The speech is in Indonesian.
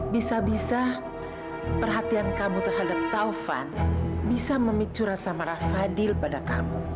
bisa bisa perhatian kamu terhadap taufan bisa memicu rasa marah fadil pada kamu